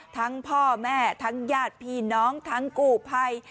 พ่อแม่ทั้งญาติพี่น้องทั้งกู้ภัย